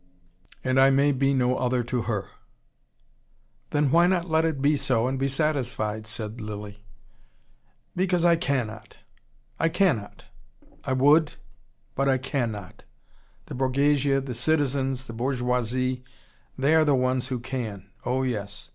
And I may be no other to her " "Then why not let it be so, and be satisfied?" said Lilly. "Because I cannot. I cannot. I would. But I cannot. The Borghesia the citizens the bourgeoisie, they are the ones who can. Oh, yes.